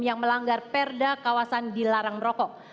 yang melanggar perda kawasan dilarang merokok